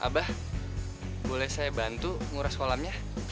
abah boleh saya bantu nguras kolamnya